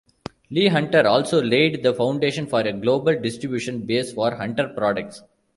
Lee Hunter also laid the foundation for a global distribution base for Hunter products.